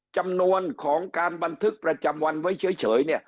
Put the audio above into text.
จำนวนของการบันทึกประจำวันไว้เฉย